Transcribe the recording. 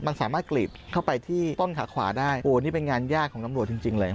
มันสามารถกรีดเข้าไปที่ต้นขาขวาได้โอ้นี่เป็นงานยากของตำรวจจริงจริงเลย